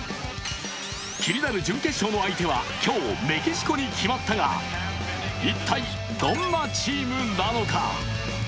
気になる準決勝の相手は、今日、メキシコに決まったが、一体、どんなチームなのか。